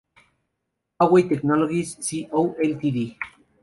Huawei Technologies Co., Ltd.